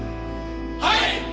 はい！